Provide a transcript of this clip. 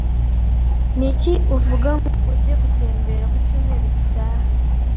Niki uvuga ngo ujye gutembera ku cyumweru gitaha?